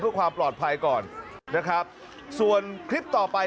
เพื่อความปลอดภัยก่อนนะครับส่วนคลิปต่อไป